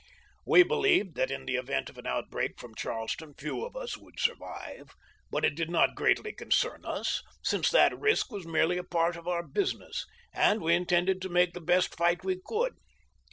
We believed that in the event of an outbreak from Charleston few of us would survive ; but it did not greatly concern us, since that risk was merely a part of our business, and we intended to make the best fight we could.